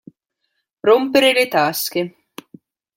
Rompere le tasche.